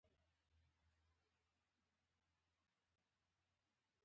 هیواد مور ده